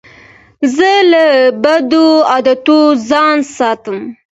زه له بدو عادتو ځان ساتم.